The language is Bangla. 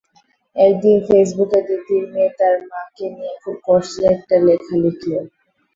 একদিন ফেসবুকে দিতির মেয়ে তাঁর মাকে নিয়ে খুব কষ্টের একটা লেখা লিখল।